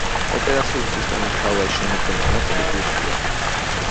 ოპერაციული სისტემის მთავარი შემადგენელი ნაწილი ბირთვია.